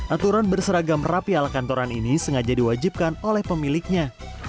aturan berseragam rapi ala kantoran ini sengaja diwajibkan oleh pemiliknya